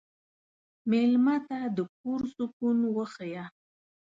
مېلمه ته د کور سکون وښیه.